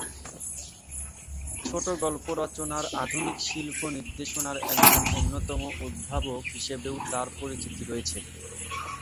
ছোটগল্প রচনার আধুনিক শিল্প নির্দেশনার একজন অন্যতম উদ্ভাবক হিসেবেও তার পরিচিতি রয়েছে।